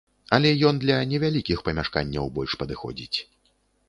Але ён для невялікіх памяшканняў больш падыходзіць.